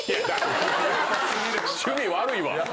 趣味悪いわ！